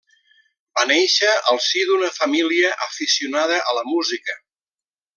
Va néixer al si d'una família aficionada a la música.